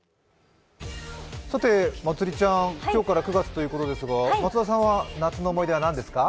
まつりちゃん、今日から９月ということですが夏の思い出は何ですか？